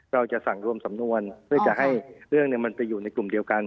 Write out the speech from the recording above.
เราจะสั่งรวมสำนวนเพื่อจะให้เรื่องมันไปอยู่ในกลุ่มเดียวกัน